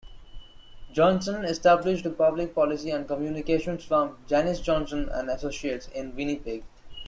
Johnson established a public policy and communications firm, Janis Johnson and Associates, in Winnipeg.